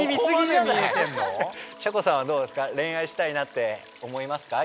ちゃこさんはどうですか恋愛したいなって思いますか？